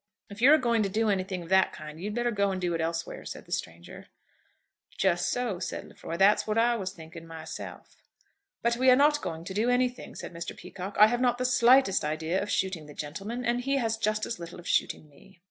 "If you're agoing to do anything of that kind you'd better go and do it elsewhere," said the stranger. "Just so," said Lefroy. "That's what I was thinking myself." "But we are not going to do anything," said Mr. Peacocke. "I have not the slightest idea of shooting the gentleman; and he has just as little of shooting me."